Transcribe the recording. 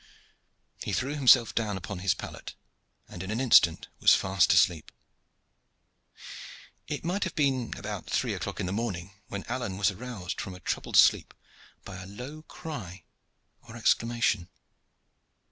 He threw himself down upon his pallet and in an instant was fast asleep. It might have been about three o'clock in the morning when Alleyne was aroused from a troubled sleep by a low cry or exclamation.